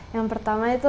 yang pertama itu